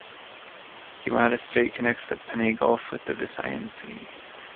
Guimaras Strait connects Panay Gulf with the Visayan Sea.